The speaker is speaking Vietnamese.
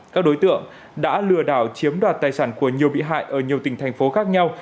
các đối tượng đã lừa đảo chiếm đoạt tài sản của nhiều bị hại ở nhiều tỉnh thành phố khác nhau